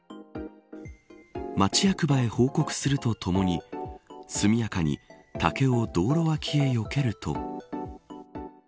町役場へ報告するとともに速やかに竹を道路わきへよけると。